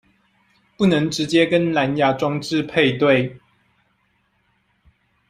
不能直接跟藍芽裝置配對